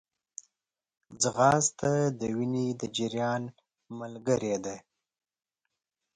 ځغاسته د وینې د جریان ملګری ده